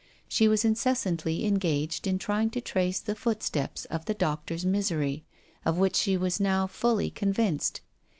She was incessantly engaged in trying to trace the foot steps of the doctor's misery, of which she was now fully convinced.